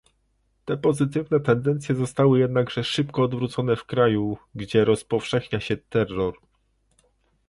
Te pozytywne tendencje zostały jednakże szybko odwrócone w kraju, gdzie rozpowszechnia się terror